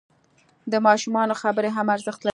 د ماشومانو خبرې هم ارزښت لري.